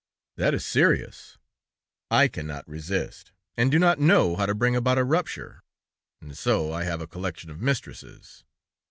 "That is serious! I cannot resist, and do not know how to bring about a rupture, and so I have a collection of mistresses.